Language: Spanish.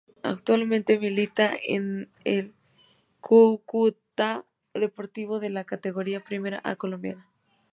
Actualmente milita en el Cúcuta Deportivo de la Categoría Primera A colombiana.